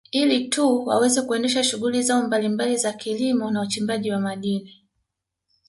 Ili tu waweze kuendesha shughuli zao mbalimbali za kilimo na uchimbaji wa madini